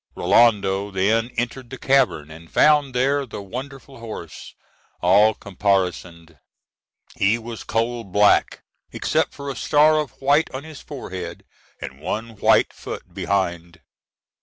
Rinaldo then entered the cavern, and found there the wonderful horse, all caparisoned. He was coal black, except for a star of white on his forehead, and one white foot behind.